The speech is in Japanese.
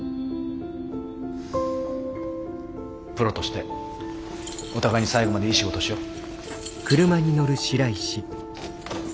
プロとしてお互いに最後までいい仕事をしよう。